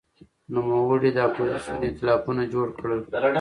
نوموړي د اپوزېسیون ائتلافونه جوړ کړل.